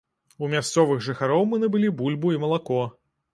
У мясцовых жыхароў мы набылі бульбу і малако.